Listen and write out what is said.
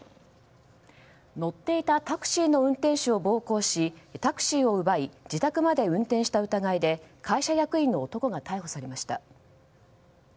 乗っていたタクシーの運転手を暴行しタクシーを奪い自宅まで運転した疑いで会社役員の男が逮捕されました。